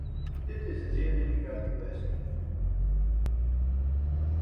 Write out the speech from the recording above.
Dit is een zeer delicate kwestie.